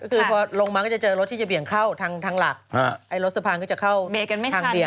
คือพอลงมาก็จะเจอรถที่จะเบี่ยงเข้าทางหลักรถสะพานก็จะเข้าทางเบี่ย